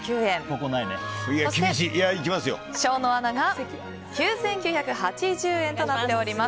そして、生野アナが９９８０円となっています。